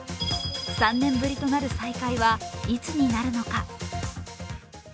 ３年ぶりとなる再会はいつになるのか。